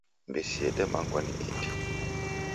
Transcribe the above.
Mbisi yedemangwa ni indi